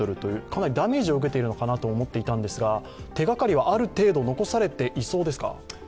かなりダメージを受けているのかなと思っていたんですが、手がかりは、ある程度、残されていそうですか？